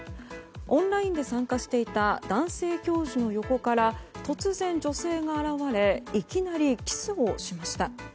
オンラインで参加していた男性教授の横から突然、女性が現れいきなりキスをしました。